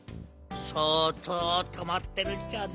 そうとうたまってるっちゃね。